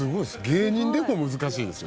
芸人でも難しいですよ。